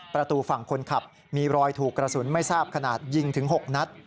ประตูฝั่งคนขับมีรอยถูกกระสุนไม่ทราบขนาดยิงถึง๖นัด